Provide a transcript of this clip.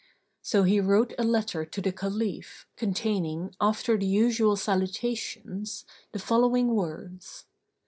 So he wrote a letter to the Caliph, containing, after the usual salutations, the following words.